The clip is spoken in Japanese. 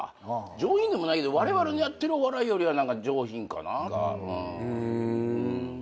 上品でもないけどわれわれのやってるお笑いよりは何か上品かな。